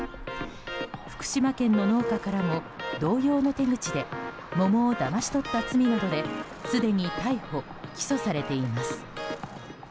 福島県の農家からも同様の手口で桃をだまし取った罪などですでに逮捕・起訴されています。